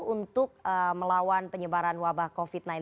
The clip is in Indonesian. untuk melawan penyebaran wabah covid sembilan belas